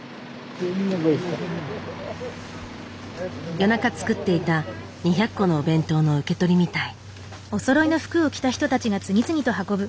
夜中作っていた２００個のお弁当の受け取りみたい。